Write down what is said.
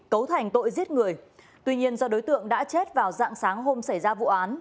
cấu thành tội giết người tuy nhiên do đối tượng đã chết vào dạng sáng hôm xảy ra vụ án